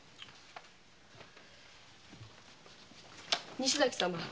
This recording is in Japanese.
西崎様